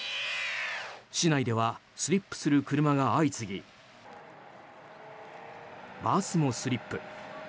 市内ではスリップする車が相次ぎバスもスリップ。